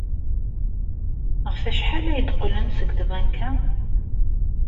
Ɣef wacḥal ay d-qqlen seg tbanka?